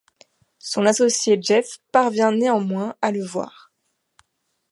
Son associé Jeff parvient néanmoins à le voir.